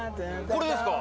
これですか？